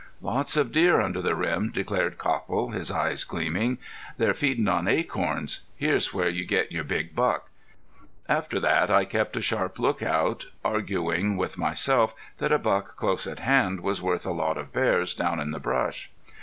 "Lots of deer under the rim," declared Copple, his eyes gleaming. "They're feedin' on acorns. Here's where you'll get your big buck." After that I kept a sharp lookout, arguing with myself that a buck close at hand was worth a lot of bears down in the brush.